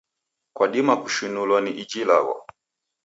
Kwadima kushinulwa ni iji ilagho.